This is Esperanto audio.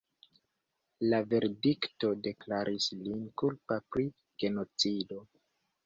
La verdikto deklaris lin kulpa pri genocido.